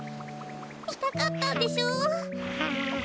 みたかったんでしょ？はあ。